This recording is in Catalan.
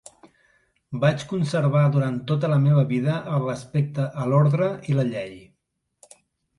Vaig conservar durant tota la meva vida el respecte a l'ordre i la llei.